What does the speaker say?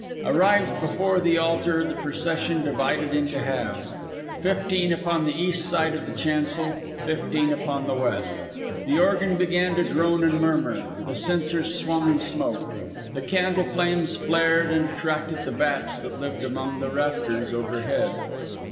Arrived before the altar the procession divided into halves, fifteen upon the east side of the chancel, fifteen upon the west. The organ began to drone and murmur, the censers swung and smoked, the candle flames flared and attracted the bats that lived among the rafters overhead.